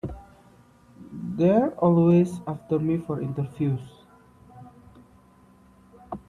They're always after me for interviews.